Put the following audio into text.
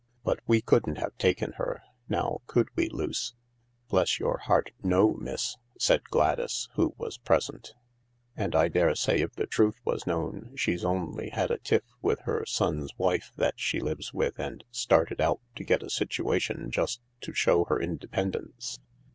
But we couldn't have taken her — now, could we, Luce ?"" Bless your heart, no, miss," said Gladys, who was present ; 188 THE LARK " and I daresay if the truth was known she's only had a tiff with her son's wife that she lives with and started out to get a situation just to show her independence."